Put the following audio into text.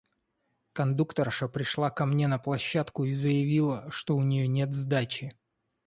Кондукторша пришла ко мне на площадку и заявила, что у нее нет сдачи.